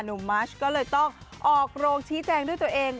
หนุ่มมาร์ชก็เลยต้องออกโรงชี้แจ้งด้วยตัวเอง